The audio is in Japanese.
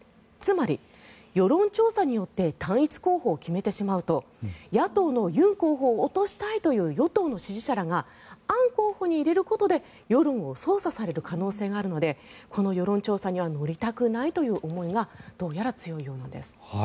つまり、世論調査によって単一候補を決めてしまうと野党のユン候補を落としたいという与党の支持者らがアン候補に入れることで世論を操作される可能性があるのでこの世論調査には乗りたくないという思いがどうやら強いようなんです。